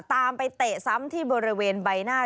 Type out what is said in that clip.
ตามไปเตะซ้ำที่บริเวณใบหน้า